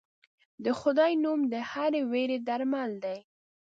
د خدای نوم د هرې وېرې درمل دی.